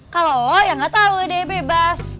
kalau lo ya gak tau deh bebas